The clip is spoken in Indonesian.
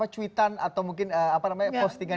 cuitan atau mungkin postingan